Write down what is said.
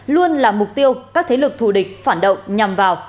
luôn là mục tiêu các thế lực thù địch phản động nhằm vào